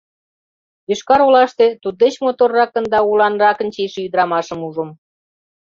Йошкар-Олаште туддеч моторракын да уланракын чийыше ӱдырамашым ужым...